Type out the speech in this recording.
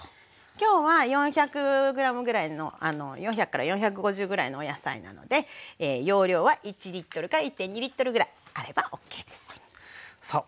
今日は４００ｇぐらいの４００４５０ぐらいのお野菜なので容量は１１．２ぐらいあればＯＫですさあ